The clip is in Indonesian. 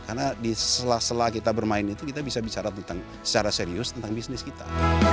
karena di sela sela kita bermain itu kita bisa bicara secara serius tentang bisnis kita